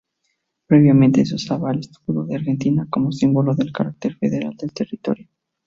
Previamente se usaba el escudo de Argentina como símbolo del carácter federal del territorio.